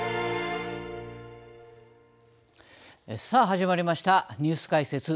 さあ、始まりましたニュース解説